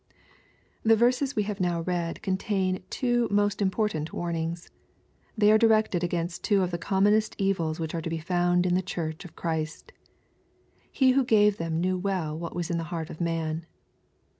The verses we have now read contain two most impor tant warnings. They are directed against two of the commonest evils which are to be found in the Church of Christ. He who gave them knew well what was in the heart of man.